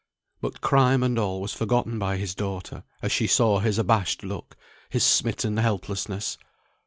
But crime and all was forgotten by his daughter, as she saw his abashed look, his smitten helplessness.